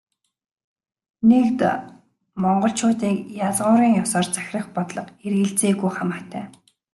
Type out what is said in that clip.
Нэгд, монголчуудыг язгуурын ёсоор захирах бодлого эргэлзээгүй хамаатай.